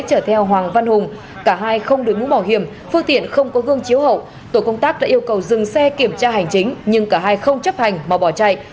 chở theo hoàng văn hùng cả hai không đối mũ bảo hiểm phương tiện không có gương chiếu hậu tổ công tác đã yêu cầu dừng xe kiểm tra hành chính nhưng cả hai không chấp hành mà bỏ chạy